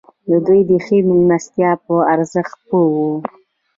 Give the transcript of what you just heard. دوی د ښې مېلمستیا په ارزښت پوه وو.